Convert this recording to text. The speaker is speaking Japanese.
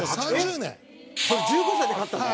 それ１５歳で買ったの？